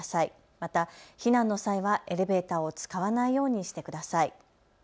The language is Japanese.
また避難の際はエレベーターを使わないようにしてください。